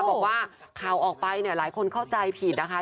บอกว่าข่าวออกไปเนี่ยหลายคนเข้าใจผิดนะคะ